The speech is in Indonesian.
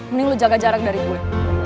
mending lu jaga jarak dari gue